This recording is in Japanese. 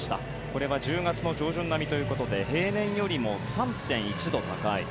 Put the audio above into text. これは１０月の上旬並みということで平年よりも３．１度高い。